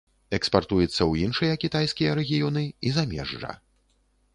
Экспартуецца ў іншыя кітайская рэгіёны і замежжа.